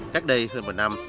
cách đây hơn một năm